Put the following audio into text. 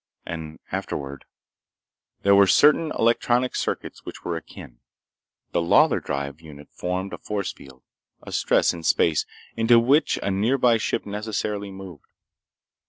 And afterward— There were certain electronic circuits which were akin. The Lawlor drive unit formed a force field, a stress in space, into which a nearby ship necessarily moved.